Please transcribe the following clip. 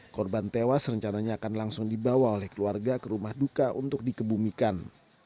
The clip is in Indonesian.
korban tewas rencananya akan langsung dibawa oleh keluarga ke rumah duka untuk dikebumikan